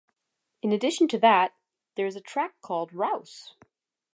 In addition to that, there is a track called Raus!